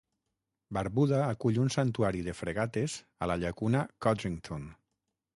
Barbuda acull un santuari de fregates a la llacuna Codrington.